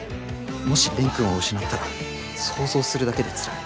もし蓮くんを失ったら想像するだけでつらい。